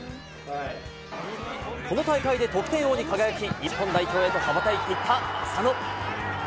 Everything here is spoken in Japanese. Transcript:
この大会で得点王に輝き、日本代表へと羽ばたいていった浅野。